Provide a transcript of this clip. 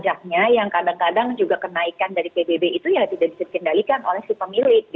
biaya pajaknya yang kadang kadang juga kenaikan dari pbb itu ya tidak bisa dikendalikan oleh si pemilik